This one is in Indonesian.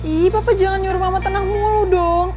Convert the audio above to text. ih papa jangan nyuruh pama tenang mulu dong